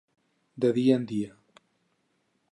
De dia en dia.